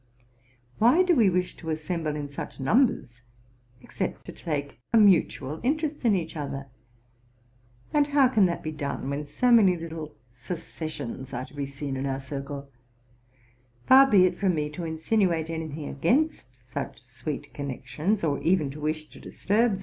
Why do we wish to assemble in such numbers, except to take a mutual interest in each other? and how can that be done when so many little secessions are to be seen in our circle? Far be it from me to insinuate any thing against such sweet connections, or even to wish to disturb.